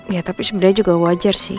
ya tapi sebenarnya juga wajar sih